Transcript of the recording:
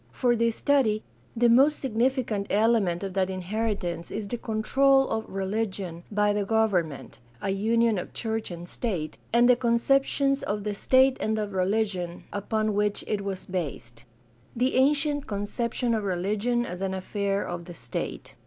For this study the most significant element of that inheritance is the control of religion by the government — a union of church and state — and the concep tions of the state and of religion upon which it was based. The ancient conception of religion as an afifair of the state.